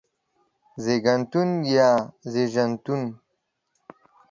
زيږنتون يا زيژنتون